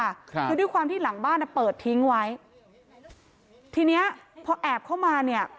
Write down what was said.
ครับคือด้วยความที่หลังบ้านอ่ะเปิดทิ้งไว้ทีเนี้ยพอแอบเข้ามาเนี่ย